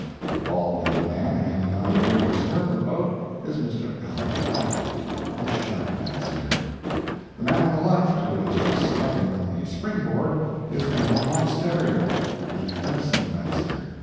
The bald headed man hanging on near the stern of the boat, is Mr. Aleck Badlam, the shark fancier. The man on the left, who is just starting on the spring board, is Col. Monstery, the fencing master.